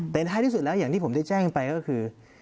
แต่ท้ายที่สุดแล้วอย่างที่ผมได้แจ้งไปก็คือ